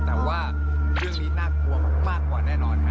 แต่ว่าเรื่องนี้น่ากลัวมากกว่าแน่นอน